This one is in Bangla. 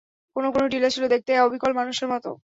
কোন কোন টিলা ছিল দেখতে অবিকল মানুষের মত।